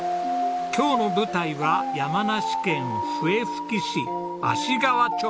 今日の舞台は山梨県笛吹市芦川町。